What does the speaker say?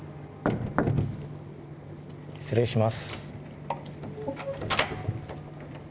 失礼します。